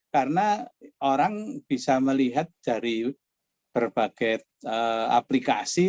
karena orang bisa melihat dari berbagai aplikasi